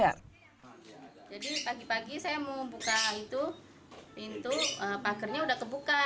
jadi pagi pagi saya mau buka itu pintu pagarnya udah kebuka